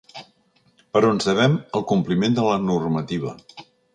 Però ens devem al compliment de la normativa.